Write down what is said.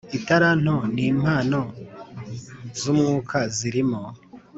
italanto n'impano z'umwuka zirimo